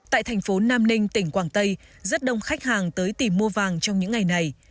tại thành phố nam ninh tỉnh quảng tây rất đông khách hàng tới tìm mua vàng trong những ngày này